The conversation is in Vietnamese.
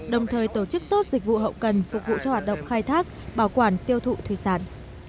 đồng thời tổ chức tốt dịch vụ hậu cần phục vụ cho hoạt động khai thác bảo quản tiêu thụ thủy sản